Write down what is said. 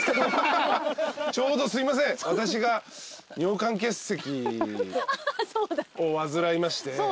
ちょうどすいません私が。を患いまして。